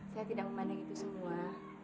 saya tidak memandang itu semua